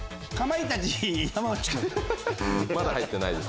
まだ入ってないです。